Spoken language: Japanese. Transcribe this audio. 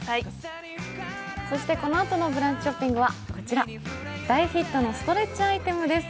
このあとのブランチショッピングはこちら、大ヒットのストレッチアイテムです。